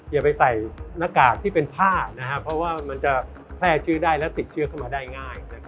อย่าไปใส่หน้ากากที่เป็นผ้าเพราะว่ามันจะแพร่ชื่อได้แล้วติดเชื้อเข้ามาได้ง่าย